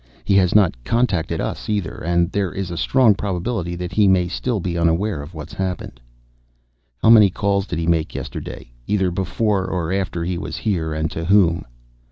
He has not contacted us, either, and there is a strong probability that he may still be unaware of what's happened." "How many calls did he make yesterday, either before or after he was here, and to whom?"